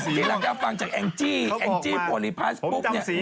สีหลังจากฟังจากแองจีแองจีโปรลิพาสปุ๊บเนี่ย